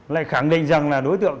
lại khẳng định rằng là đối tượng